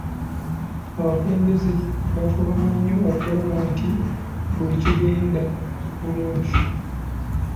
Abakulumbeze baafubanga nnyo okulaba nti buli kigenda bulungi.